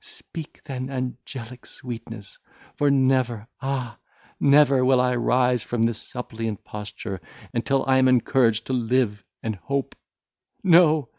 Speak then, angelic sweetness! for never, ah! never will I rise from this suppliant posture, until I am encouraged to live and hope. No!